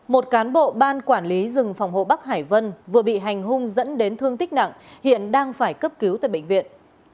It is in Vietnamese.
một cán bộ ban quản lý rừng phòng hộ bắc hải vân vừa bị hành hung dẫn đến thương tích nặng hiện đang phải cấp cứu tại bệnh viện